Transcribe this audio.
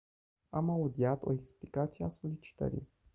Am audiat o explicație a solicitării.